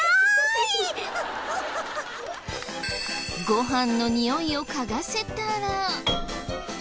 ごはんのにおいを嗅がせたら。